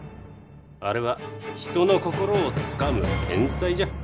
あれは人の心をつかむ天才じゃ。